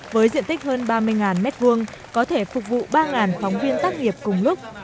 với diện tích hơn ba mươi m hai có thể phục vụ ba phóng viên tác nghiệp cùng lúc